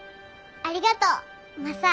ありがとうマサ。